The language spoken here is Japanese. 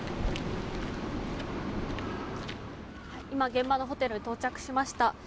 現場のホテルに到着しました。